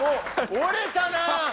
折れたな！